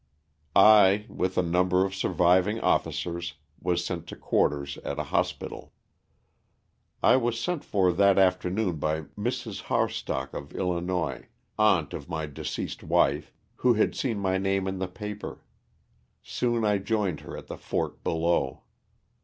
I, with a number of surviving officers, was sent to quarters at a hospital. I was sent for that afternoon by Mrs. Hartsock of Illinois, aunt of my deceased wife, who had seen my name in the paper. Soon I joined her at the fort below.